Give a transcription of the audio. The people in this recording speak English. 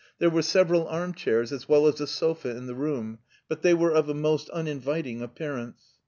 There were several arm chairs as well as a sofa in the room, but they were of a most uninviting appearance.